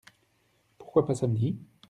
Pourquoi pas samedi ?